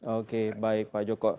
oke baik pak joko